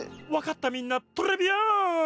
わかったみんなトレビアーン！